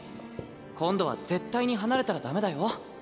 今度は絶対に離れたらダメだよ。